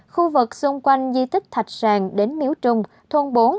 khu vực xung quanh di tích thạch sàn đến miếu trung thôn bốn